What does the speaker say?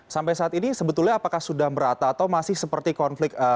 sampai saat ini sebetulnya apakah sudah merata atau masih seperti konflik